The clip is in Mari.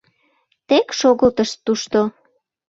— Тек шогылтышт тушто.